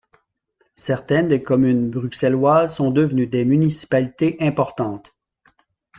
Certaines des communes bruxelloises sont devenues des municipalités importantes.